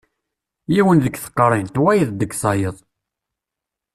Yiwen deg teqrint, wayeḍ deg tayeḍ.